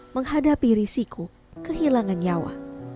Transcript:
menghadapi risiko kehilangan nyawa